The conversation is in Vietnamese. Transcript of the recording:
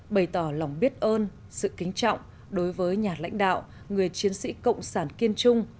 bày tỏ lòng biết ơn sự kính trọng đối với nhà lãnh đạo người chiến sĩ cộng sản kiên trung